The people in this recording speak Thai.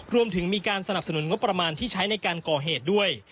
รวมถึงมีการสนับสนุนงบประมาณที่ใช้ในการก่อเหตุด้วย